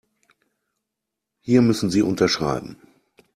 Hier müssen Sie unterschreiben.